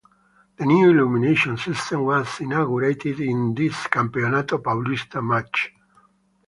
The new illumination system was inaugurated in this Campeonato Paulista match.